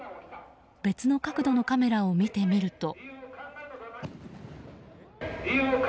別の角度のカメラを見てみると。